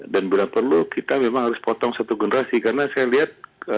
dan bila perlu kita memang harus potong satu generasi karena saya lihat